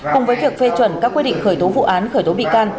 cùng với việc phê chuẩn các quy định khởi tố vụ án khởi tố bị can